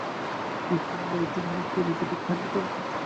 Ethene বা ethylene একটি aliphatic hydrocarbon.